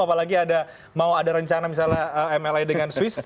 apalagi ada mau ada rencana misalnya mli dengan swiss